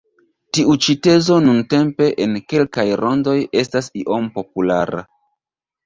Tiu ĉi tezo nuntempe en kelkaj rondoj estas iom populara.